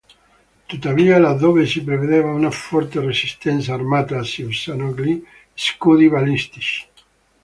Tuttavia, laddove si preveda una forte resistenza armata, si usano gli scudi balistici.